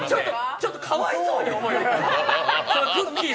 ちょっとかわいそうに思えて、くっきー！